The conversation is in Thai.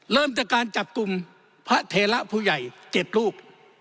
เริ่มจากการจับกลุ่มพระเทระผู้ใหญ่๗รูป